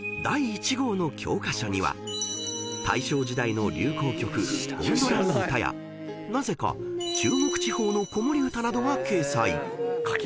［大正時代の流行曲『ゴンドラの歌』やなぜか中国地方の子守歌などが掲載］